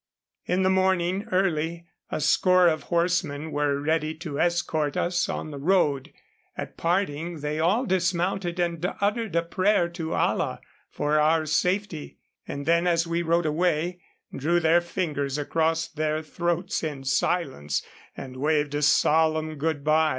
In the morning, early, a score of horsemen were ready to escort us on the road. At parting they all dismounted and uttered a prayer to Allah for our safety; and then as we rode away, drew their fingers across their throats in silence, and waved a solemn good by.